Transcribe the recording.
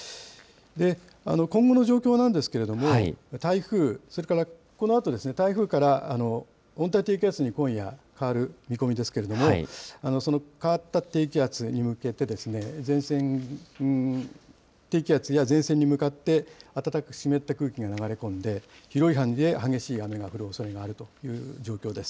今後の状況なんですけれども、台風、それからこのあとですね、台風から温帯低気圧に今夜、変わる見込みですけれども、その変わった低気圧に向けて、低気圧や前線に向かって、暖かく湿った空気が流れ込んで、広い範囲で激しい雨が降るおそれがあるという状況です。